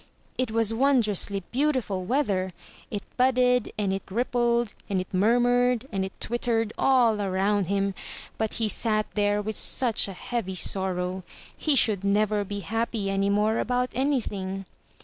It was wondrously beautiful weather! It budded, and it rippled, and it murmured, and it twittered — all around him. But he sat there with such a heavy sorrow. He should never be happy any more about anything.